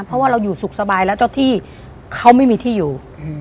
เพราะว่าเราอยู่สุขสบายแล้วเจ้าที่เขาไม่มีที่อยู่